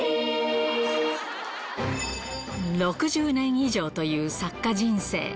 ６０年以上という作家人生。